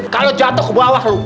kalo jatuh ke bawah lo